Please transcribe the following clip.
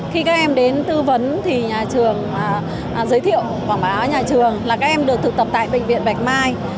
khi các em đến tư vấn thì nhà trường giới thiệu quảng bá nhà trường là các em được thực tập tại bệnh viện bạch mai